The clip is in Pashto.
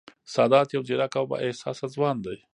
سادات یو ځېرک او با احساسه ځوان دی